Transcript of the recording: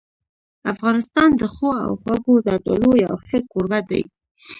افغانستان د ښو او خوږو زردالو یو ښه کوربه دی.